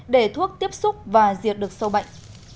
để thuốc tiếp xúc và diệt được sâu bệnh